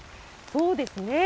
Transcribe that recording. そうですね。